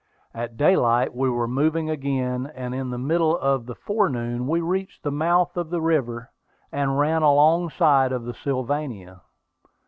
At daylight we were moving again, and in the middle of the forenoon we reached the mouth of the river, and ran alongside of the Sylvania.